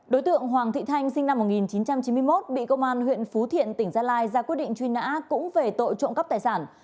đối tượng hoàng thị thanh sinh năm một nghìn chín trăm chín mươi một bị công an huyện phú thiện tỉnh gia lai ra quyết định truy nã cũng về tội trộm cắp tài sản